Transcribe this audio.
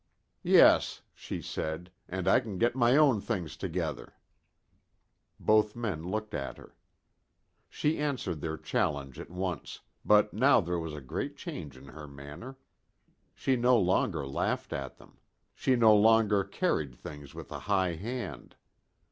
"Yes," she said, "and I can get my own things together." Both men looked at her. She answered their challenge at once, but now there was a great change in her manner. She no longer laughed at them. She no longer carried things with a high hand.